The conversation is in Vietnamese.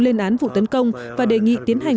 lên án vụ tấn công và đề nghị tiến hành